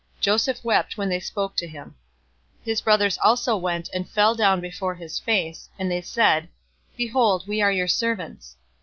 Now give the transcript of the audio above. Joseph wept when they spoke to him. 050:018 His brothers also went and fell down before his face; and they said, "Behold, we are your servants."